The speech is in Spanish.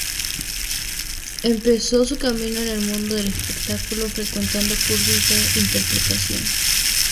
Empezó su camino en el mundo del espectáculo frecuentando cursos de interpretación.